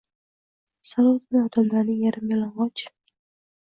Sal o‘tmay odamlarning yarim yalang‘och